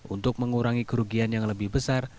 untuk mengurangi kerugian yang lebih besar